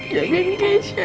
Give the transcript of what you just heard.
jangan kece ya